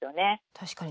確かに。